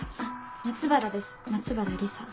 松原です松原理沙。